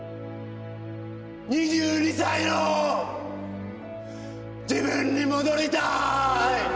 ２２歳の自分に戻りたーい！